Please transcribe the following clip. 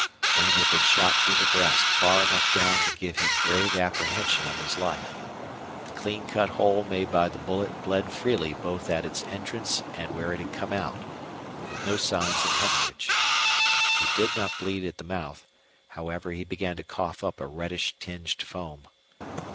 Duane had been shot through the breast far enough down to give him grave apprehension of his life. The clean cut hole made by the bullet bled freely both at its entrance and where it had come out, but with no signs of hemorrhage. He did not bleed at the mouth; however, he began to cough up a reddish tinged foam.